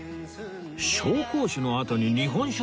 紹興酒のあとに日本酒ですか